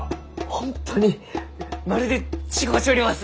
本当にまるで違うちょります！